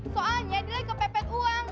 soalnya dia lagi kepepet uang